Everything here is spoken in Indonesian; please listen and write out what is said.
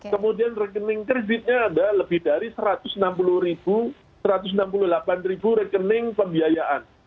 kemudian rekening kreditnya ada lebih dari satu ratus enam puluh satu ratus enam puluh delapan rekening pembiayaan